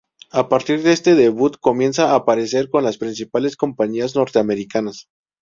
A partir de este debut comienza a parecer con las principales compañías norteamericanas.